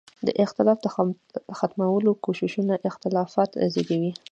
د اختلاف د ختمولو کوششونه اختلافات زېږوي.